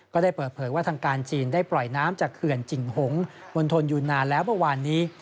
ก็ได้เปิดเผยว่าทางการจีนได้ปล่อยน้ำจากเขื่อนจิ่งหงมณฑลอยู่นานแล้วเมื่อวานนี้